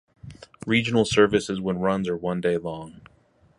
Regional service is when runs are one day long.